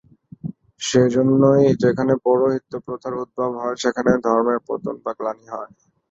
সেই জন্যই যেখানে পৌরোহিত্য-প্রথার উদ্ভব হয়, সেখানে ধর্মের পতন বা গ্লানি হয়।